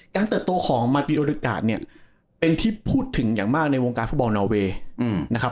เติบโตของมาติโอริกาเนี่ยเป็นที่พูดถึงอย่างมากในวงการฟุตบอลนอเวย์นะครับ